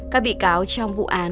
các bị cáo trong vụ án